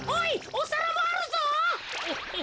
おさらもあるぞ。